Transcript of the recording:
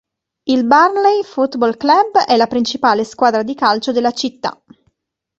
Il Burnley Football Club è la principale squadra di calcio della città.